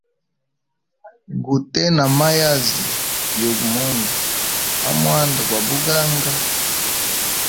Gute na mayazi yugu mundu amwanda gwa buganga.